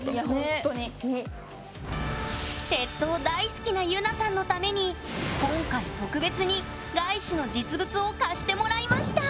鉄塔大好きなゆなさんのために今回特別にがいしの実物を貸してもらいました！